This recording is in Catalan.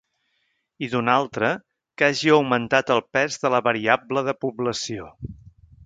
I, d’una altra, que hagi augmentat el pes de la variable de població.